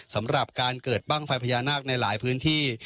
สำหรับการเกิดบ้างไฟพญานาคในหลายพื้นที่